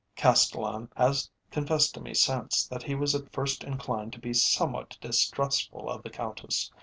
Castellan has confessed to me since that he was at first inclined to be somewhat distrustful of the Countess.